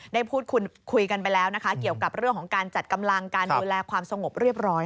ได้พูดคุยกันไปแล้วนะคะเกี่ยวกับเรื่องของการจัดกำลังการดูแลความสงบเรียบร้อย